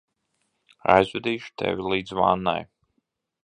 Aizvedīšu tevi līdz vannai.